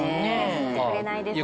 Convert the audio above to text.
吸ってくれないですね。